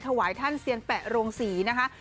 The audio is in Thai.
ถวายท่านเซียนแปะโรงศรีนะคะ